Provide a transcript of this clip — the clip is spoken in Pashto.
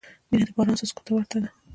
• مینه د باران څاڅکو ته ورته ده.